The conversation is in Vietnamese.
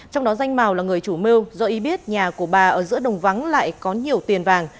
trong đó danh màu là người chủ mưu do y biết nhà của bà ở giữa đồng vắng lại có nhiều tiền vàng